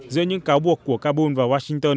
giữa những cáo buộc của kabul và washington